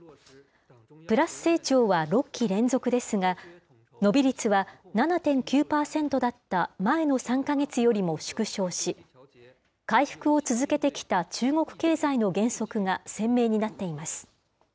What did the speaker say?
プラス成長は６期連続ですが、伸び率は７．９％だった前の３か月よりも縮小し、回復を続けてきた中国経済の減速が鮮明になっています。